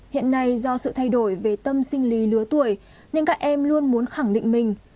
hiện nay do sự thay đổi về tâm sinh lý lứa tuổi nên các em luôn muốn khẳng định mình